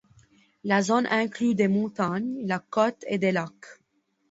La zone inclut des montagnes, la côte et des lacs.